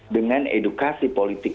dengan edukasi politik